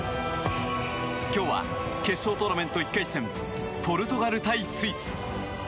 今日は、決勝トーナメント１回戦ポルトガル対スイス。